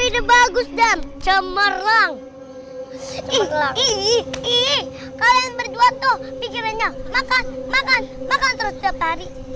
ide bagus dan cemerlang ih ih ih kalian berdua tuh pikirannya makan makan makan terus setari